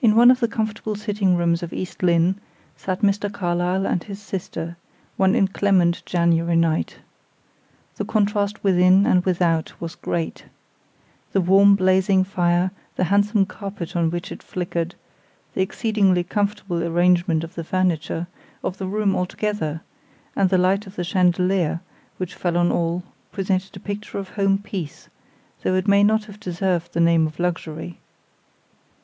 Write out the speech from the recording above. In one of the comfortable sitting rooms of East Lynne sat Mr. Carlyle and his sister, one inclement January night. The contrast within and without was great. The warm, blazing fire, the handsome carpet on which it flickered, the exceedingly comfortable arrangement of the furniture, of the room altogether, and the light of the chandelier, which fell on all, presented a picture of home peace, though it may not have deserved the name of luxury.